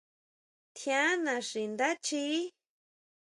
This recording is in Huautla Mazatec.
¿Tjián naxi ndá chiʼí?